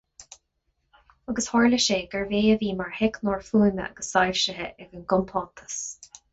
Agus tharla sé gurbh é a bhí mar theicneoir fuaime agus soilsithe ag an gcompántas.